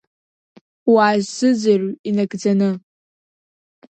Уаасзыӡрыҩ инагӡаны.